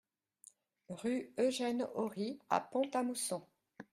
Rue Eugène Ory à Pont-à-Mousson